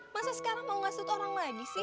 masa sekarang mau masuk orang lagi sih